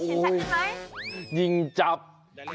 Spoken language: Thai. เห็นชัดขึ้นไหมเห็นชัดขึ้นมั้ย